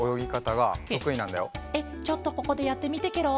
えっちょっとここでやってみてケロ。